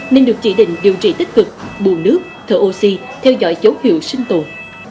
nên được chỉ định điều trị tích cực buồn nước thở oxy theo dõi dấu hiệu sinh tồn